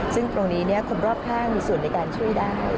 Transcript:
ซึ่งตรงนี้คนรอบข้างมีส่วนในการช่วยได้